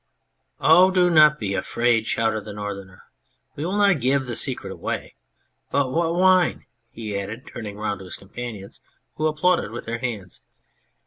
" Oh, do not be afraid," shouted the Northerner, " we will not give the secret away. But what wine !" he added, turning round to his companions, who applauded with their hands.